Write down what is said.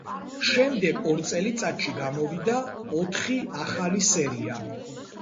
შემდეგ ორ წელიწადში გამოვიდა ოთხი ახალი სერია.